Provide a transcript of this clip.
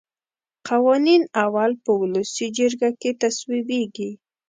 قوانین اول په ولسي جرګه کې تصویبیږي.